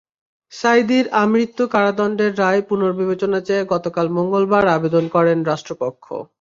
সাঈদীর আমৃত্যু কারাদণ্ডের রায় পুনর্বিবেচনা চেয়ে গতকাল মঙ্গলবার আবেদন করেন রাষ্ট্রপক্ষ।